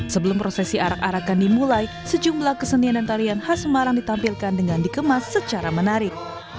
sebelum prosesi arak arakan dimulai sejumlah kesenian dan tarian khas semarang ditampilkan dengan dikemas secara menarik